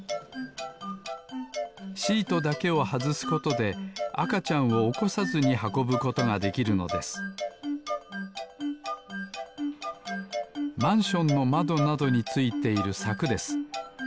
シートだけをはずすことであかちゃんをおこさずにはこぶことができるのですマンションのまどなどについているさくです。